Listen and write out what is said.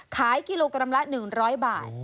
ขายกิโลกรัมละ๑๐๐บาท